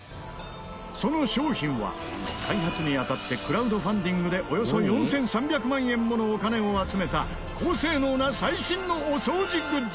その商品は、開発にあたってクラウドファンディングでおよそ４３００万円ものお金を集めた高性能な最新のお掃除グッズ